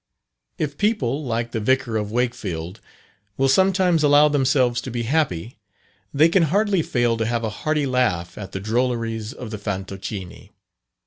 If people, like the Vicar of Wakefield, will sometimes "allow themselves to be happy," they can hardly fail to have a hearty laugh at the drolleries of the Fantoccini.